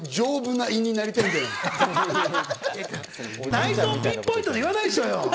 内臓をピンポイントで言わないでしょうよ。